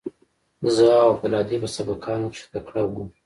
زه او عبدالهادي په سبقانو کښې تکړه وو.